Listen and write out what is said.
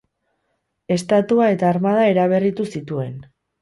Estatua eta armada eraberritu zituen.